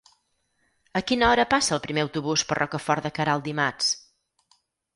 A quina hora passa el primer autobús per Rocafort de Queralt dimarts?